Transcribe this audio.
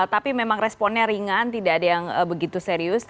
tapi memang responnya ringan tidak ada yang begitu serius